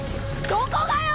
どこがよ！